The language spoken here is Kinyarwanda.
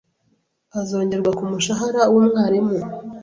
azongerwa ku mushahara w’umwalimu